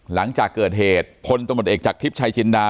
หลังจากเกิดเหตุพลตำรวจเอกจากทิพย์ชายจินดา